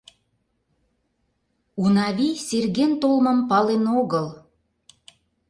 Унавий Серген толмым пален огыл.